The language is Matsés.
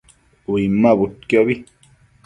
Uinmabudquiobi